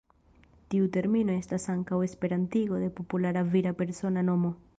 Tiu termino estas ankaŭ esperantigo de populara vira persona nomo.